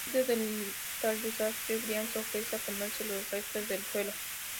Ante tal desastre, Brian se ofrece a comerse los restos del suelo.